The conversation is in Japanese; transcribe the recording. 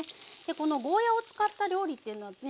このゴーヤーを使った料理っていうのはですね